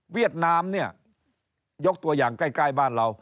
ดนามเนี่ยยกตัวอย่างใกล้บ้านเรา